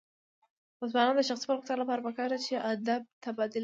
د ځوانانو د شخصي پرمختګ لپاره پکار ده چې ادب تبادله کړي.